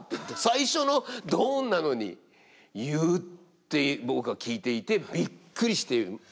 最初のドンなのに言うって僕は聞いていてびっくりして。